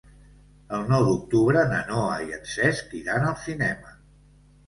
El nou d'octubre na Noa i en Cesc iran al cinema.